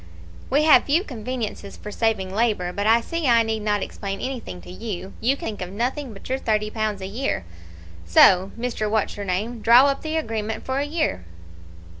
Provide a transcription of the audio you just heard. "'We have few conveniences for saving labour; but I see I need not explain anything to you; you can think of nothing but your thirty pounds a year; so, Mr. What's your name, draw up the agreement for a year.'